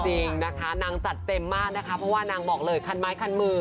จริงนะคะนางจัดเต็มมากนะคะเพราะว่านางบอกเลยคันไม้คันมือ